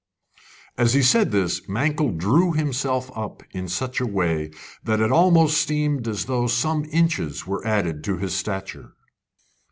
As he said this Mankell drew himself up in such a way that it almost seemed as though some inches were added to his stature.